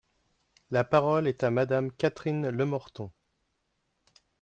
La parole est à Madame Catherine Lemorton.